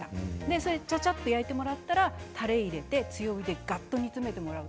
ちゃちゃっと焼いてもらってたれを入れてがっと詰めてもらう。